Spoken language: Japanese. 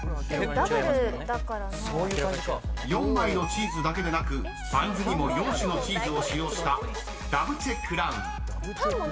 ［４枚のチーズだけでなくバンズにも４種のチーズを使用した］